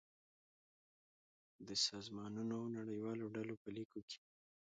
د سازمانونو او نړیوالو ډلو په ليکو کې